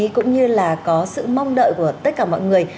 cũng như là có sự mong đợi của tất cả mọi người